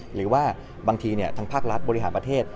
หรือว่าบางทีทั้งภาครัฐบริหารสำหรับประเทศ